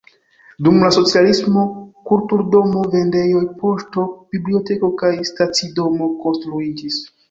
Dum la socialismo kulturdomo, vendejoj, poŝto, biblioteko kaj stacidomo konstruiĝis.